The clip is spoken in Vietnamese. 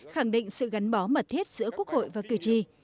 khẳng định sự gắn bó mật thiết giữa quốc hội và cử tri